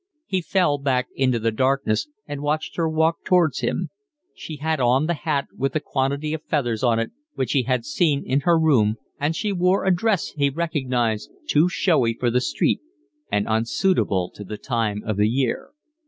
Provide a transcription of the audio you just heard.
He fell back into the darkness and watched her walk towards him. She had on the hat with a quantity of feathers on it which he had seen in her room, and she wore a dress he recognized, too showy for the street and unsuitable to the time of year.